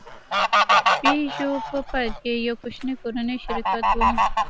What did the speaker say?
پيژو په پیل کې یو کوچنی کورنی شرکت و.